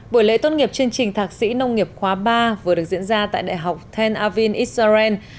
buổi lễ tốt nghiệp chương trình thạc sĩ nông nghiệp khóa ba vừa được diễn ra tại đại học ten avind israel